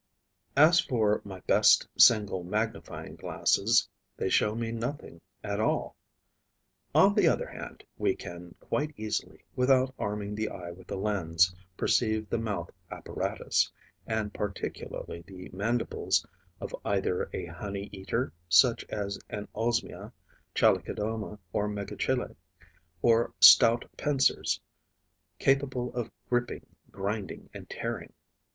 As for my best single magnifying glasses, they show me nothing at all. On the other hand, we can quite easily, without arming the eye with a lens, perceive the mouth apparatus and particularly the mandibles of either a honey eater, such as an Osmia, Chalicodoma or Megachile, or a game eater, such as a Scolia, Ammophila or Bembex. All these possess stout pincers, capable of gripping, grinding and tearing.